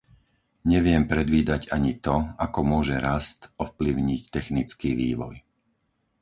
Neviem predvídať ani to, ako môže rast ovplyvniť technický vývoj.